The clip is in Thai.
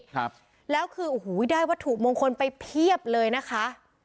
ครับแล้วคือโอ้โหได้วัตถุมงคลไปเพียบเลยนะคะ